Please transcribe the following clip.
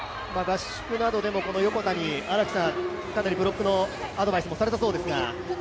合宿などでも荒木さん、この横田にかなりブロックのアドバイスもされたそうですが。